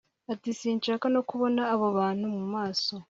ati sinshaka no kubona abo bantu mu maso